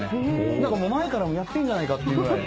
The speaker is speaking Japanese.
何かもう前からやってんじゃないかっていうぐらい。